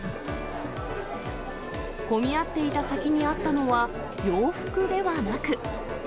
混み合っていた先にあったのは、洋服ではなく。